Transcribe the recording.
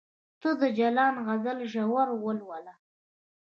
ته د جلان غزل ژور ولوله